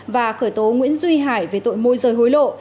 và khởi tố nguyễn duy hải về tội môi rời hối lộ